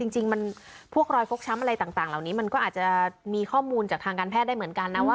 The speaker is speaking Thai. จริงพวกรอยฟกช้ำอะไรต่างเหล่านี้มันก็อาจจะมีข้อมูลจากทางการแพทย์ได้เหมือนกันนะว่า